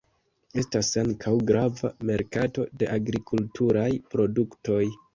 Estas ankaŭ grava merkato de agrikulturaj produktoj.